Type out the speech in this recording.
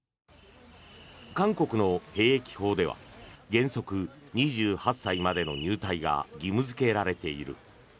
韓国の兵役法では原則、２８歳までの入隊が義務付けられている。